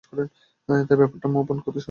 তাই ব্যাপারটা মুভ-অন করতে সহজ হয়ে গেছে।